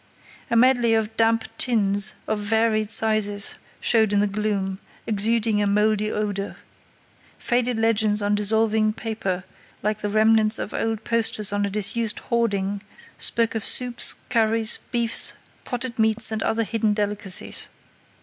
A medley of damp tins of varied sizes showed in the gloom, exuding a mouldy odour. Faded legends on dissolving paper, like the remnants of old posters on a disused hoarding, spoke of soups, curries, beefs, potted meats, and other hidden delicacies.